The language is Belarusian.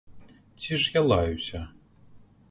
Ці ж я лаюся?